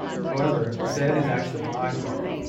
However, Zedd is actually lying.